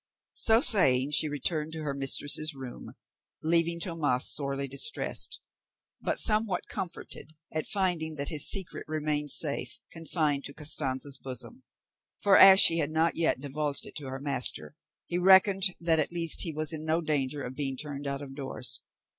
So saying, she returned to her mistress's room, leaving Tomas sorely distressed, but somewhat comforted at finding that his secret remained safe confined to Costanza's bosom; for as she had not divulged it to her master, he reckoned that at least he was in no danger of being turned out of doors.